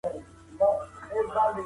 ټول انسانان مساوي دي.